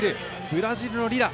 ブラジルのリラ。